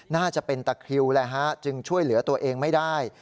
น่าจะเป็นตะคริวแหละฮะจึงช่วยเหลือตัวเองไม่ได้